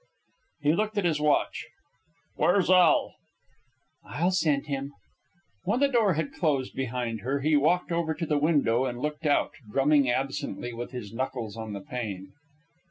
He looked at his watch. "Where's Al?" "I'll send him." When the door had closed behind her, he walked over to the window and looked out, drumming absently with his knuckles on the pane.